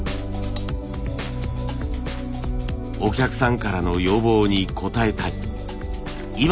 お客さんからの要望に応えたい。